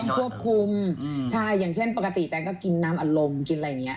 ควบคุมใช่อย่างเช่นปกติแตงก็กินน้ำอารมณ์กินอะไรอย่างนี้